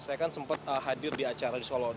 saya kan sempat hadir di acara di solo